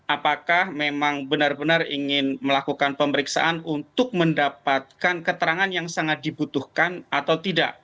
apakah memang benar benar ingin melakukan pemeriksaan untuk mendapatkan keterangan yang sangat dibutuhkan atau tidak